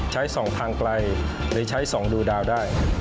ใช้ส่องทางไกลหรือใช้ส่องดูดาวได้